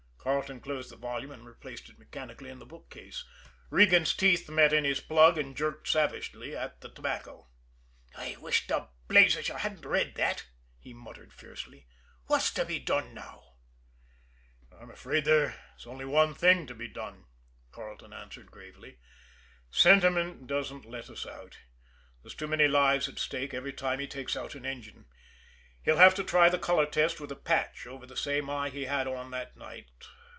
Carleton closed the volume and replaced it mechanically in the bookcase. Regan's teeth met in his plug and jerked savagely at the tobacco. "I wish to blazes you hadn't read that!" he muttered fiercely. "What's to be done now?" "I'm afraid there's only one thing to be done," Carleton answered gravely. "Sentiment doesn't let us out there's too many lives at stake every time he takes out an engine. He'll have to try the color test with a patch over the same eye he had it on that night.